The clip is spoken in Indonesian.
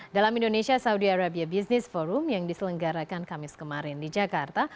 dalam indonesia saudi arabia business forum yang diselenggarakan kamis kemarin di jakarta